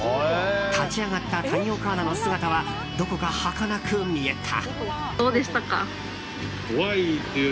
立ち上がった谷岡アナの姿はどこか、はかなく見えた。